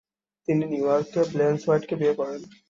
তিনি নিউ ইয়র্কে ব্লেঞ্চ হোয়াইটকে বিয়ে করেন।